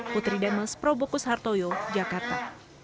putri demas probokus hartoyo jakarta